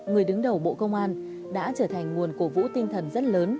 người đứng đầu bộ công an đã trở thành nguồn cổ vũ tinh thần rất lớn